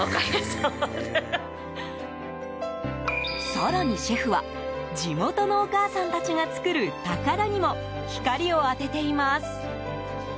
更にシェフは地元のお母さんたちが作る宝にも光を当てています。